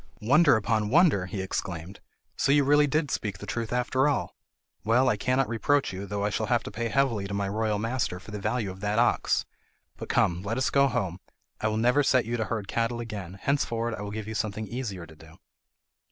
"Wonder upon wonder," he exclaimed, "so you really did speak the truth after all! Well, I cannot reproach you, though I shall have to pay heavily to my royal master for the value of that ox. But come, let us go home! I will never set you to herd cattle again, henceforward I will give you something easier to do."